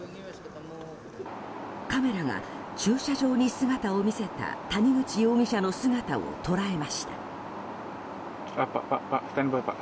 カメラが駐車場に姿を見せた谷口容疑者の姿を捉えました。